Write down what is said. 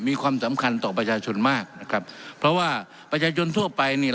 มีความสำคัญต่อประชาชนมากนะครับเพราะว่าประชาชนทั่วไปเนี่ย